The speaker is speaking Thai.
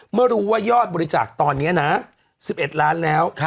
เมื่อรู้ว่ายอดบริจาคตอนนี้นะ๑๑ล้านแล้ว